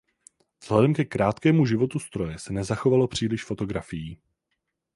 Vzhledem ke krátkému životu stroje se nezachovalo příliš fotografií.